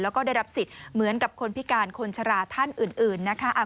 แล้วก็ได้รับสิทธิ์เหมือนกับคนพิการคนชราท่านอื่นนะคะ